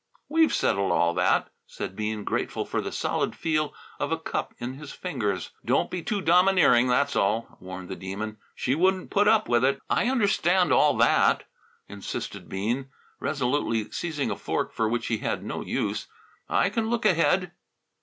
"We've settled all that," said Bean, grateful for the solid feel of a cup in his fingers. "Don't be too domineering, that's all," warned the Demon. "She wouldn't put up with it." "I understand all that," insisted Bean, resolutely seizing a fork for which he had no use. "I can look ahead!"